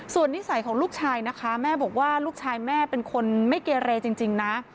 ส่วนนิสัยของลูกชายนะคะแม่บอกว่าลูกชายแม่เป็นคนไม่เกเรจริงนะ